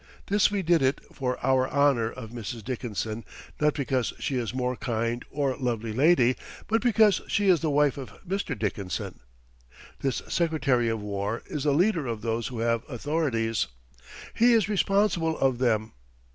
This we did it for our honour of Mrs. Dickinson not because she is more kind or lovely lady but because she is the wife of Mr. Dickinson. This Secretary of War is the leader of those who have authorities. He is responsible of them.